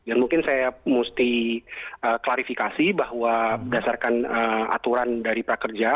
dan mungkin saya mesti klarifikasi bahwa berdasarkan aturan dari prakerja